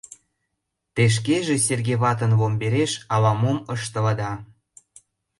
Те шкеже Серге ватын ломбереш ала-мом ыштылыда.